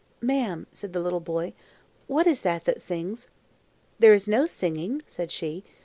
"Ma'am," said the little boy, "what is that that sings?" "There is no singing," said she.